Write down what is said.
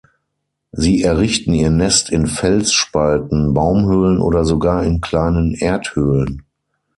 Sie errichten ihr Nest in Felsspalten, Baumhöhlen oder sogar in kleinen Erdhöhlen.